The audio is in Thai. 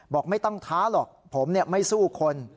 บอกไม่ต้องท้าหรอกผมไม่สู้คน